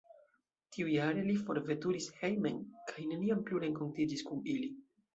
Tiujare li forveturis hejmen kaj neniam plu renkontiĝis kun ili.